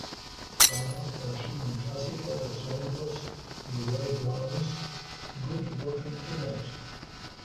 Danach erschienen Klassiker des Genres wie Roy Browns "Good Rocking Tonight".